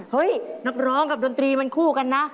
นักร้องกับดนตรีมันคู่กันนะ